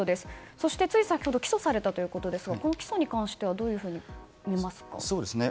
そして、つい先ほど起訴されたということですがこの起訴に関してはどういうふうに見ますか？